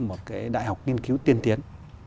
một cái đại học nghiên cứu tiên tiến